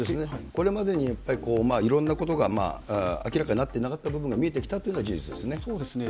これまでにやっぱり、いろんなことが明らかになってなかった部分が見えてきたというのそうですね。